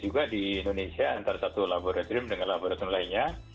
nah ini pernah terjadi juga di indonesia antara satu laboratorium dengan laboratorium lainnya